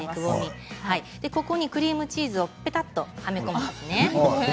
そこにクリームチーズをぺたっとはめ込むんですね。